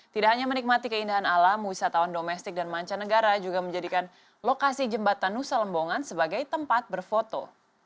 tidak hanya menikmati keindahan alam wisatawan domestik dan mancanegara juga menjadikan lokasi jembatan nusa lembongan sebagai tempat berfoto